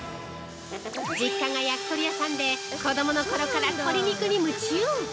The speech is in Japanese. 実家が焼き鳥屋さんで子供のころから鶏肉に夢中！